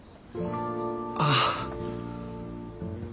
ああ。